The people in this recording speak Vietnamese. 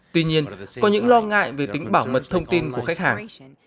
tuy nhiên có những lo ngại về tính bảo mật thông tin của khách hàng